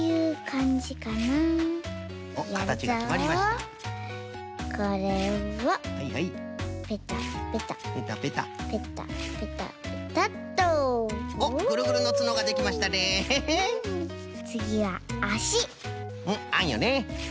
んっあんよね！